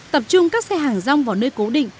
tập trung các xe hàng rong vào nơi cố định